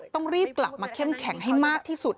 ต้องรีบกลับมาเข้มแข็งให้มากที่สุด